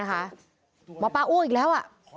หมอปลาอู้อีกแล้ว